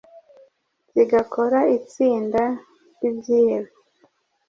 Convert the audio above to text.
zigakora itsinda ry’ibyihebe